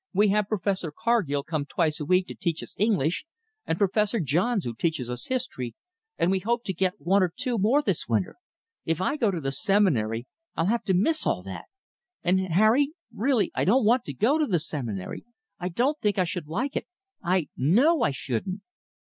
"We have Professor Carghill come twice a week to teach us English, and Professor Johns, who teaches us history, and we hope to get one or two more this winter. If I go to the Seminary, I'll have to miss all that. And Harry, really I don't want to go to the Seminary. I don't think I should like it. I KNOW I shouldn't."